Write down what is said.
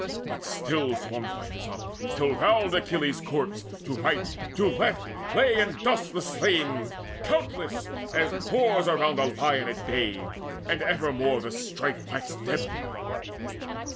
But still Swarmed fighters up, till round Achilles' corse To right, to left, lay in the dust the slain Countless, as boars around a lion at bay; And evermore the strife waxed deadlier.